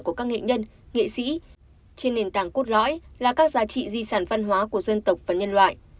của các nghệ nhân nghệ sĩ trên nền tảng cốt lõi là các giá trị di sản văn hóa của dân tộc và nhân loại